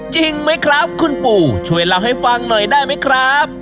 จริงไหมครับคุณปู่ช่วยเล่าให้ฟังหน่อยได้ไหมครับ